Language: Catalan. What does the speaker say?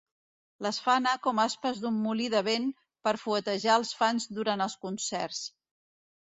Les fa anar com aspes d'un molí de vent per fuetejar els fans durant els concerts.